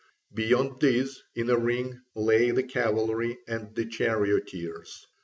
Beyond these, in a ring, lay the cavalry and the charioteers.